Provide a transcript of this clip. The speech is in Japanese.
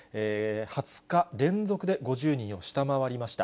２０日連続で５０人を下回りました。